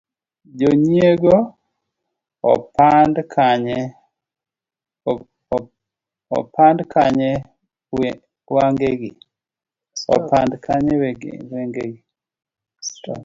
jonyiego opand kanye wangegi?